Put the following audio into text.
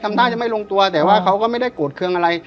ท่าจะไม่ลงตัวแต่ว่าเขาก็ไม่ได้โกรธเครื่องอะไร